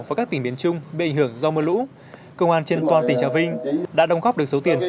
và các tỉnh biển trung bị ảnh hưởng do mưa lũ công an trên toàn tỉnh trà vinh đã đồng góp được số tiền